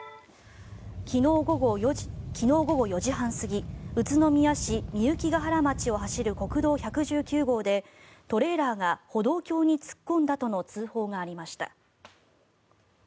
昨日午後４時半過ぎ宇都宮市御幸ケ原町を走る国道１１９号で、トレーラーが歩道橋に突っ込んだとの通報がありました。